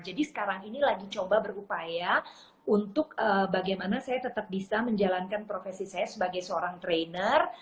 jadi sekarang ini lagi coba berupaya untuk bagaimana saya tetap bisa menjalankan profesi saya sebagai seorang trainer